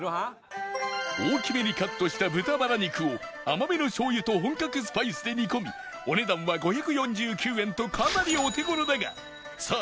大きめにカットした豚バラ肉を甘めの醤油と本格スパイスで煮込みお値段は５４９円とかなりお手頃だがさあ